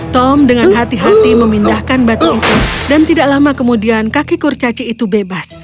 tom dengan hati hati memindahkan batu itu dan tidak lama kemudian kaki kurcaci itu bebas